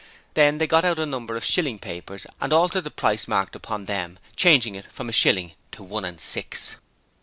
Then they got out a number of shilling papers and altered the price marked upon them, changing it from a shilling to one and six.